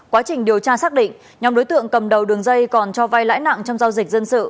quá trình điều tra xác định nhóm đối tượng cầm đầu đường dây còn cho vai lãi nặng trong giao dịch dân sự